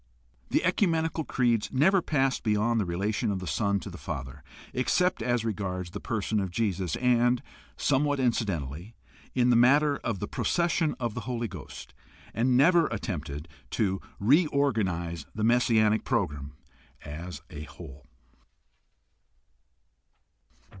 The ecumenical creeds never passed beyond the relation of the Son to the Father except as regards the person of Jesus and, somewhat incidentally, in the matter of the procession of the Holy Ghost, and never attempted to reorganize the messianic program as a whole.